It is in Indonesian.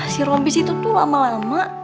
si rompis itu tuh lama lama